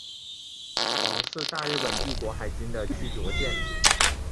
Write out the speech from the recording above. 潮是大日本帝国海军的驱逐舰。